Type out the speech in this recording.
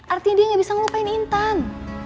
artinya dia gak bisa melupain intan